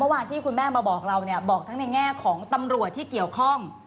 วันที่คุณแม่มาบอกเราเนี่ยบอกทั้งในแง่ของตำรวจที่เกี่ยวข้อง